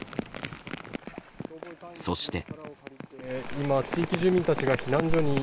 そして。